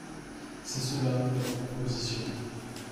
C’est cela, votre proposition.